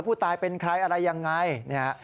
ผู้ตายเป็นใครอะไรยังไงเนี่ย